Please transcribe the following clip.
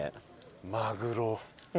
マグロ。